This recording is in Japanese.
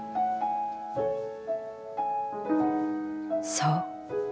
「そう。